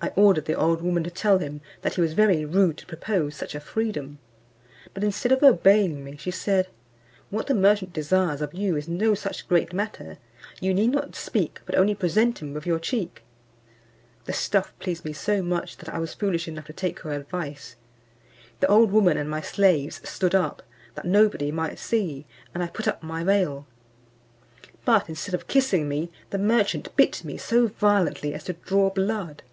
I ordered the old woman to tell him, that he was very rude to propose such a freedom. But instead of obeying me, she said, "What the merchant desires of you is no such great matter; you need not speak, but only present him your cheek." The stuff pleased me so much, that I was foolish enough to take her advice. The old woman and my slaves stood up, that nobody might see, and I put up my veil; but instead of kissing me, the merchant bit me so violently as to draw blood.